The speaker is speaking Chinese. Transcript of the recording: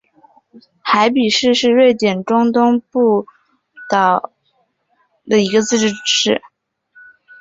海比市是瑞典中东部乌普萨拉省的一个自治市。